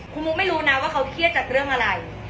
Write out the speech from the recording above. คุณมุกไม่รู้นะว่าเขาเครียดจากเรื่องอะไร